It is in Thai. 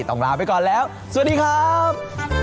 ลาไปก่อนแล้วสวัสดีครับ